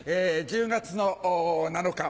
１０月７日